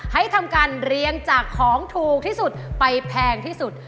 ให้ทำการเรียงจากของถูกที่สุดไปแพงที่สุด